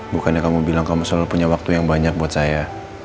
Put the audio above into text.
bukannya kamu bilang kamu selalu punya waktu yang banyak buat saya